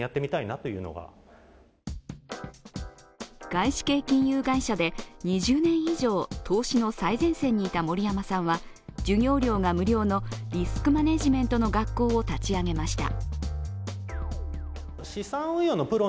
外資系金融会社で２０年以上、投資の最前線にいた森山さんは授業料が無料のリスクマネジメントの学校を立ち上げました。